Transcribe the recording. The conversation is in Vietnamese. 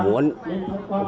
muốn cho nó tốt đẹp